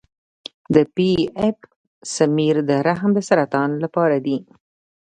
د پی ایپ سمیر د رحم د سرطان لپاره دی.